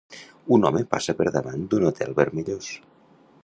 Un home passa per davant d'un hotel vermellós.